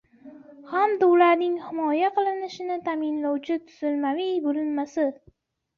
hamda ularning himoya qilinishini ta’minlovchi tuzilmaviy bo‘linmasi